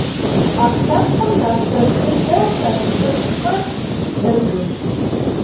Ӏэпкълъэпкъым нэхъ лъэщ дыдэу хэт лыпцӏэр - бзэгурщ.